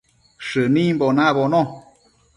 Shënimbo nabono